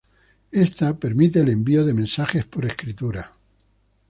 Esta permite el envío de mensaje por escritura.